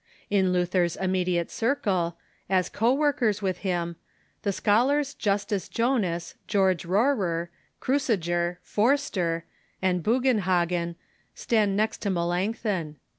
In Luther's immediate circle, as co workers with him, the scholars Justus Jonas, George Rorer, Cruciger, Forster, and Bugenhagen stand next to Melanch thon.